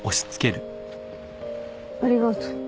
ありがとう。